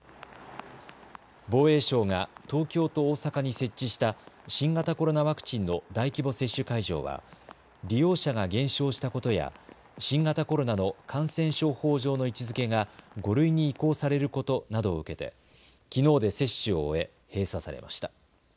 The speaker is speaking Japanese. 防衛省が東京と大阪に設置した新型コロナワクチンの大規模接種会場は利用者が減少したことや新型コロナの感染症法上の位置づけが５類に移行されることなどを受けてきのうで接種を終え閉鎖されました。